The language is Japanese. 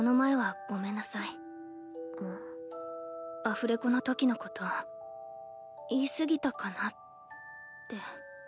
アフレコのときのこと言い過ぎたかなって。